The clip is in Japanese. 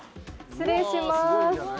失礼します。